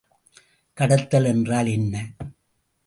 கடத்தல் என்றால் என்ன?